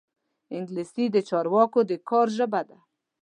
انګلیسي د چارواکو د کار ژبه ده